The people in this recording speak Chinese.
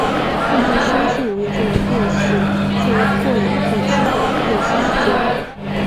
它们在酸性溶液中的电势介于过氧化氢的电势之间。